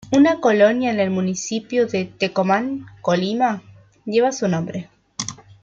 Una colonia en el municipio de Tecomán, Colima, lleva su nombre.